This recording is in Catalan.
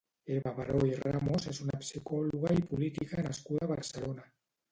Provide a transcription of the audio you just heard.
Eva Baró i Ramos és una psicòloga i política nascuda a Barcelona.